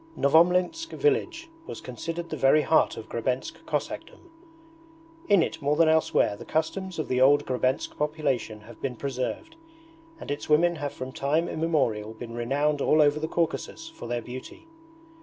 Novomlinsk village was considered the very heart of Grebensk Cossackdom. In it more than elsewhere the customs of the old Grebensk population have been preserved, and its women have from time immemorial been renowned all over the Caucasus for their beauty.